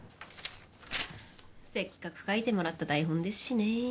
せっかく書いてもらった台本ですしね。